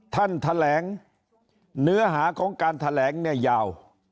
ท่านแถลงเนื้อหาของการแถลงเนี่ยยาว